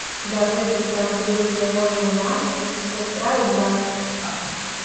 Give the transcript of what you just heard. Дагэтуль там жывуць ягоныя маці, сястра і брат.